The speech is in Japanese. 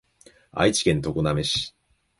愛知県常滑市